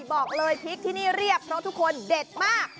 บอกเลยพริกที่นี่เรียบเพราะทุกคนเด็ดมาก